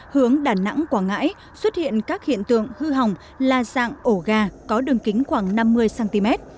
hướng đà nẵng quảng ngãi xuất hiện các hiện tượng hư hỏng là dạng ổ gà có đường kính khoảng năm mươi cm